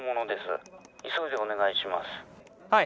はい。